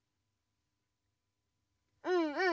うんうん！